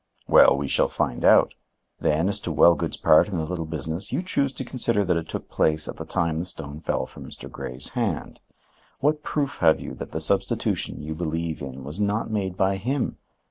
"Well, we shall find out. Then, as to Wellgood's part in the little business, you choose to consider that it took place at the time the stone fell from Mr. Grey's hand. What proof have you that the substitution you believe in was not made by him?